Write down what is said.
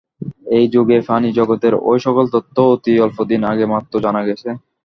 এ-যুগে প্রাণিজগতের এ-সকল তত্ত্ব অতি অল্পদিন আগে মাত্র জানা গেছে।